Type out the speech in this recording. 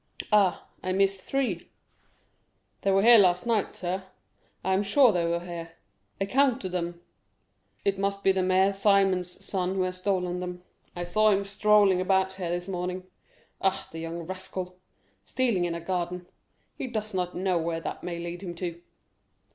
Ah, I miss three, they were here last night, sir—I am sure they were here—I counted them. It must be the son of Mère Simon who has stolen them; I saw him strolling about here this morning. Ah, the young rascal—stealing in a garden—he does not know where that may lead him to."